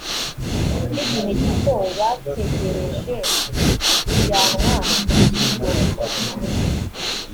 by igihe gito bategereje kujyanwa mu kigo